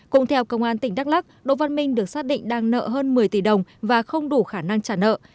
cùng theo công an tỉnh đắk lắc đỗ văn minh được xác định đang nợ hơn một mươi tỷ đồng và không đủ khả năng trả nợ